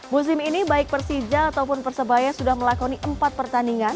musim ini baik persija ataupun persebaya sudah melakoni empat pertandingan